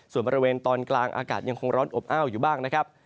ส่วนบริเวณตอนกลางอากาศยังคงร้อนอบอ้าวอยู่บ้างนะครับ